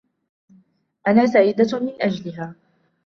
أنا سعيدة مِن أجلِها.